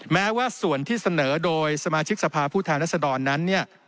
แม้ว่าส่วนที่เสนอโดยสมาชิกสภาพผู้แทนรัศดรนั้นเนี่ย